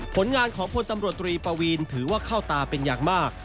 ผลงานของพลตำรวจตรีปวีนถือว่าเข้าตาเป็นอย่างมาก